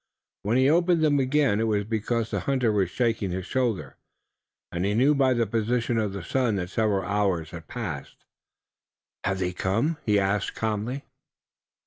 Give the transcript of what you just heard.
When he opened them again it was because the hunter was shaking his shoulder, and he knew by the position of the sun that several hours had passed. "Have they come?" he asked calmly.